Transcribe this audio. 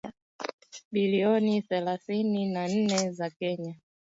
bilioni thelathini na nne za Kenya